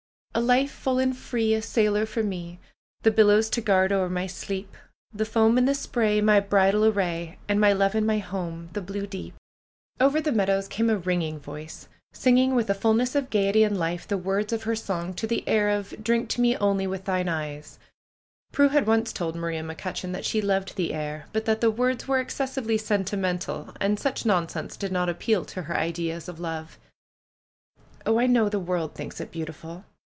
A life full and free ! A sailor for me! The billows to guard o'er my sleep! The foam and the spray; My bridal array; And my love and my home the blue deep !'' 169 170 PRUE'S GARDENER Over the meadows came a ringing voice, singing with a fullness of gayety and life the w^ords of her song to the air of ^^Drink to me only with thine eyes Prue had once told Maria McCutcheon that she loved the air, but that the words were excessively sentimental, and such nonsense did not appeal to her ideas of love. '^Oh, I know the world thinks it beautiful